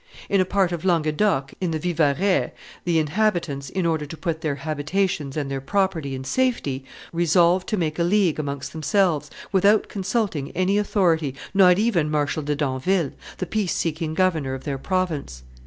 In a part of Languedoc, in the Vivarais, the inhabitants, in order to put their habitations and their property in safety, resolved to make a league amongst themselves, without consulting any authority, not even Marshal de Damville, the peace seeking governor of their province.